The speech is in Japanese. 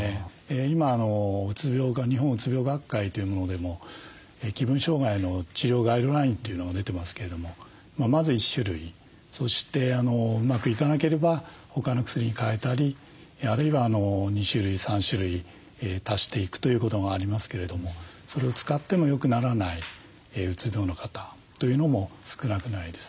今うつ病が日本うつ病学会というものでも気分障害の治療ガイドラインというのが出てますけれどもまず１種類そしてうまくいかなければ他の薬に替えたりあるいは２種類３種類足していくということがありますけれどもそれを使ってもよくならないうつ病の方というのも少なくないです。